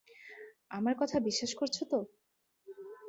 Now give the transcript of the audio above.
আমার কথা বিশ্বাস করছ তো?